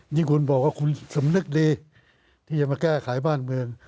ยิ่งคุณบอกว่าคุณสำนึกดีที่จะมาแก้ไขบ้านเมือง